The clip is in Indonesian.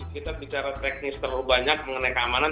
kita bicara teknis terlalu banyak mengenai keamanan